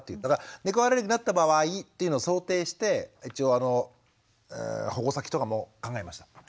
だから猫アレルギーになった場合っていうのを想定して一応保護先とかも考えました。